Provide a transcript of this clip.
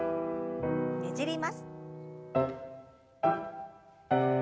ねじります。